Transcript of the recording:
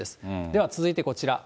では続いてこちら。